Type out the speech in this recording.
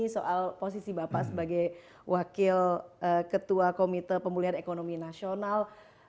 soal posisi bapak sebagai wakil ketua komite pemulihan ekonomi nasional